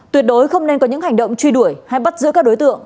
tuyệt đối không nên có những hành động truy đuổi hay bắt giữ các đối tượng